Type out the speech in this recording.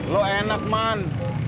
lo enak man